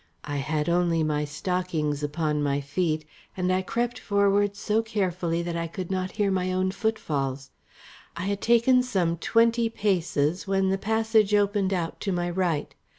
I had only my stockings upon my feet and I crept forward so carefully that I could not hear my own footfalls. I had taken some twenty paces when the passage opened out to my right.